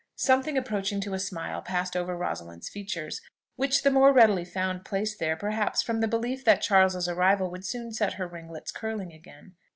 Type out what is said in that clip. Something approaching to a smile passed over Rosalind's features, which the more readily found place there, perhaps, from the belief that Charles's arrival would soon set her ringlets curling again.